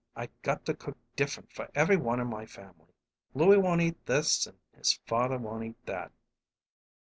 I got to cook different for every one in my family. Louie won't eat this and his father won't eat that!"